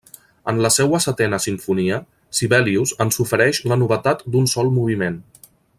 En la seua setena simfonia, Sibelius ens ofereix la novetat d'un sol moviment.